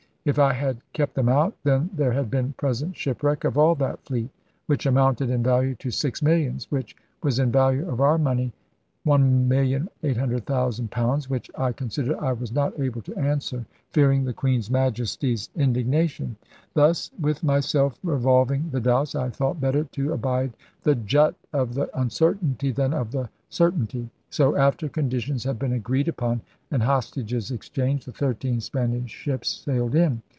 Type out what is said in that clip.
... If I had kept them out, then there had been present shipwreck of all that fleet, which amounted in value to six millions, which was in value of our money £1,800,000, which I considered I was not able to answer, fearing the Queen's Majesty's indignation. ... Thus with HAWKINS AND THE FIGHTING TRADERS 91 myself revolving the doubts, I thought better to abide the jut of the uncertainty than of the cer tainty.' So, after conditions had been agreed upon and hostages exchanged, the thirteen Span ish ships sailed in.